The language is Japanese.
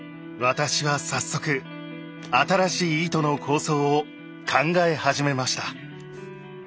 私は早速新しい糸の構想を考え始めました。